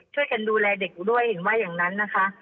ช่วยกันดูแลเด็กด้วยเห็นว่าอย่างนั้นนะคะ